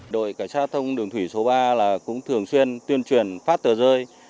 đội cảnh sát giao thông đường thủy số ba cũng thường xuyên tuyên truyền phát tờ rơi